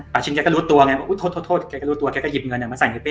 ป่าชินแกก็รู้ตัวแกก็หยิบเงินมาใส่ในเป้